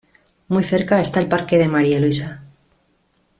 Muy cerca está el Parque de María Luisa.